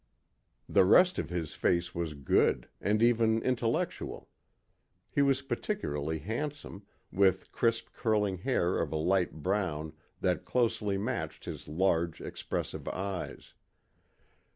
The rest of his face was good, and even intellectual. He was particularly handsome, with crisp curling hair of a light brown that closely matched his large expressive eyes.